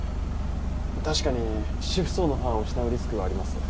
確かに主婦層のファンを失うリスクはあります。